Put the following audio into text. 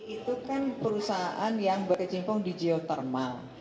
itu kan perusahaan yang berkecimpung di geothermal